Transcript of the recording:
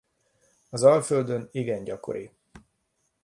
Az Alföldön igen gyakori.